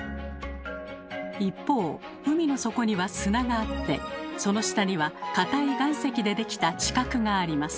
一方海の底には砂があってその下にはかたい岩石で出来た「地殻」があります。